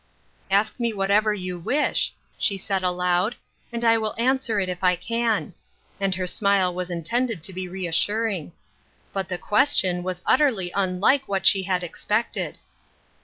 " Ask me whatever you wish," she said aloud, " and I will answer it if I can," and her smile was intended to be reassuring. But the question was utterly unlike what she had expected.